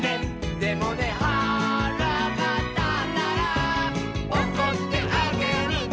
「でもねはらがたったら」「おこってあげるね」